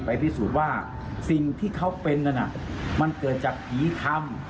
พิสูจน์ว่าสิ่งที่เขาเป็นนั้นมันเกิดจากผีคำ